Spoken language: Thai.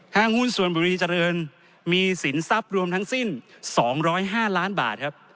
หุ้นส่วนบุรีเจริญมีสินทรัพย์รวมทั้งสิ้น๒๐๕ล้านบาทครับ